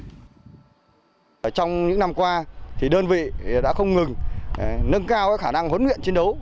trong những năm qua đơn vị đã không ngừng nâng cao khả năng huấn luyện chiến đấu